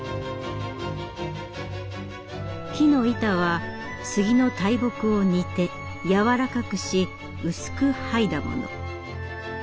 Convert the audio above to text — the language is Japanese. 木の板は杉の大木を煮てやわらかくし薄く剥いだもの。